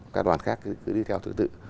các đoàn khác cứ đi theo tự tự